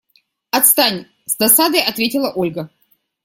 Отстань! – с досадой ответила Ольга.